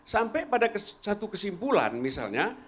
sampai pada satu kesimpulan misalnya